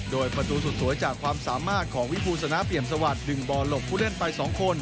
โดยประตูสุดสวยจากความสามารถของวิภูลสนาเปี่ยมสวัสดิ์ดึงบอลหลบผู้เล่นไป๒คน